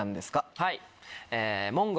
はい。